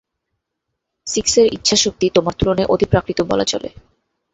সিক্সের ইচ্ছাশক্তি তোমার তুলনায় অতিপ্রাকৃত বলা চলে।